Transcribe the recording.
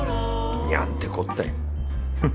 にゃんてこったいフッ